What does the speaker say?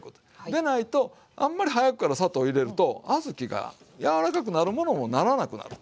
でないとあんまり早くから砂糖入れると小豆が柔らかくなるものもならなくなると。